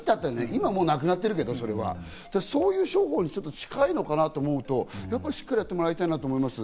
今は、もうなくなってるけど、そういう商法に近いのかなぁと思うと、しっかりやってもらいたいなと思います。